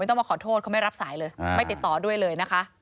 ต้องมาขอโทษเขาไม่รับสายเลยไม่ติดต่อด้วยเลยนะคะ